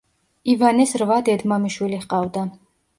ივანეს რვა დედმამიშვილი ჰყავდა.